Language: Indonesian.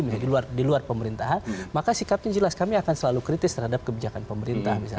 misalnya di luar pemerintahan maka sikapnya jelas kami akan selalu kritis terhadap kebijakan pemerintah misalnya